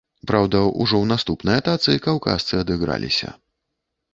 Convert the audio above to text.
Праўда, ужо ў наступнай атацы каўказцы адыграліся.